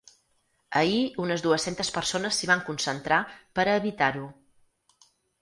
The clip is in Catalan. Ahir unes dues-centes persones s’hi van concentrar per a evitar-ho.